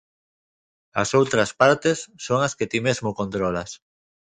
As outras partes son as que ti mesmo controlas.